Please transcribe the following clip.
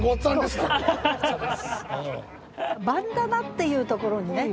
「バンダナ」っていうところにね